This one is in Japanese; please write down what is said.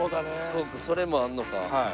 そうかそれもあんのか。